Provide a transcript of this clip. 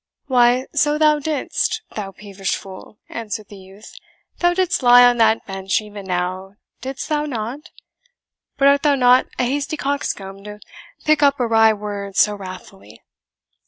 "Why, so thou didst, thou peevish fool," answered the youth; "thou didst lie on that bench even now, didst thou not? But art thou not a hasty coxcomb to pick up a wry word so wrathfully?